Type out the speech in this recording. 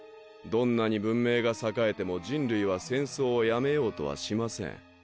どんなに文明が栄えても人類は戦争をやめようとはしません。